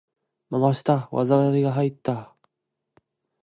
回した！技ありが入った！